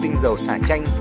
tinh dầu xả chanh